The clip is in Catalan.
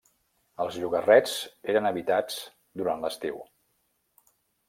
Els llogarrets eren habitats durant l'estiu.